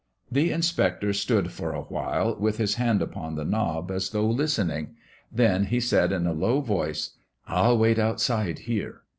The inspector stood for a while with his hand upon the knob as though listening. Then he said, in a low voice, "I'll wait outside here."